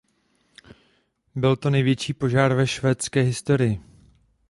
Byl to největší požár ve švédské historii.